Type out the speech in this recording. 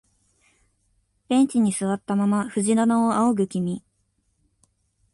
ベンチに座ったまま藤棚を仰ぐ君、